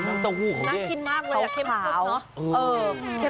น้ำเต้าหู้ของเก๊เผาอืม